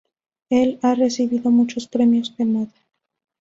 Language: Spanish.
Él ha recibido muchos premios de moda.